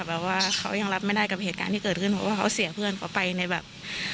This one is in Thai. แบบว่าเขายังรับไม่ได้กับเหตุการณ์ที่เกิดขึ้นเพราะว่าเขาเสียเพื่อนเขาไปในแบบ